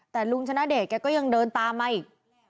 แต่ลุงชนะเดชแกก็ยังเดินตามมาอีก